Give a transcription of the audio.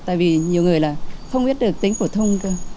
tại vì nhiều người là không biết được tính phổ thông cơ